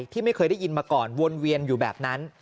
ที่ไม่เคยได้ยินมาก่อนวนเวียนอยู่แบบนั้น